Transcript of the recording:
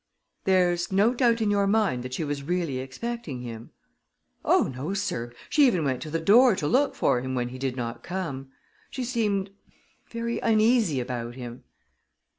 "There's no doubt in your mind that she was really expecting him?" "Oh, no, sir; she even went to the door to look for him when he did not come. She seemed very uneasy about him."